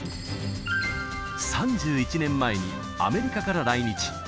３１年前にアメリカから来日。